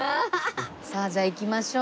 さあじゃあ行きましょう。